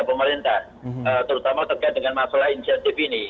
pemerintah terutama terkait dengan masalah insentif ini